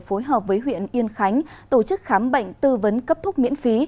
phối hợp với huyện yên khánh tổ chức khám bệnh tư vấn cấp thuốc miễn phí